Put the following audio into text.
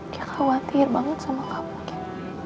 dia khawatir banget sama kamu